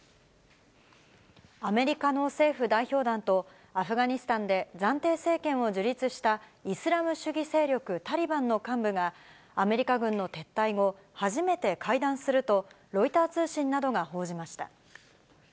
アメリカの政府代表団と、アフガニスタンで暫定政権を樹立した、イスラム主義勢力タリバンの幹部が、アメリカ軍の撤退後初めて会談すると、ロイター通信などが報じました。